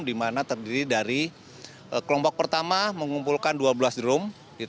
dimana terdiri dari kelompok pertama mengumpulkan dua belas drum